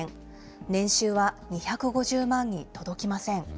年収は２５０万に届きません。